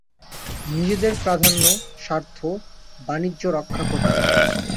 নিজেদের প্রাধান্য, স্বার্থ, বাণিজ্য রক্ষা করতে চায়।